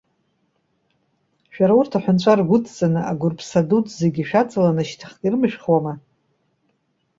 Шәара урҭ аҳәынҵәа ргәыдҵаны, агәырԥса дуӡӡагьы шәаҵаланы шьҭахьҟа ирымышәхуама?